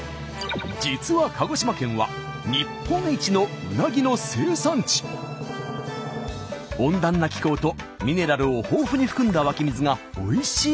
実は温暖な気候とミネラルを豊富に含んだ湧き水がおいしい